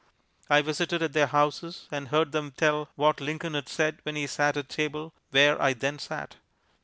I visited at their houses and heard them tell what Lincoln had said when he sat at table where I then sat.